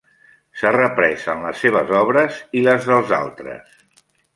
S'ha reprès en les seves obres, i les dels altres.